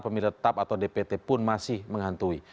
pemilih tetap atau dpt pun masih menghantui